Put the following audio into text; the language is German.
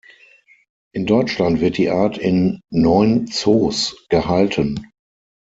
In Deutschland wird die Art in neun Zoos gehalten.